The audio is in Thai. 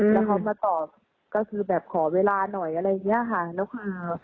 แล้วเขามาตอบก็คือแบบขอเวลาหน่อยอะไรอย่างนี้ค่ะนักข่าว